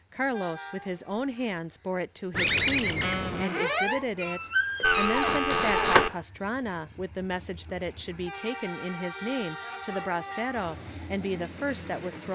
Carlos with his own hands bore it to his queen and exhibited it and then sent it back by Pastrana with the message that it should be taken in his name to the brasero and be the first that was thrown ' MSS.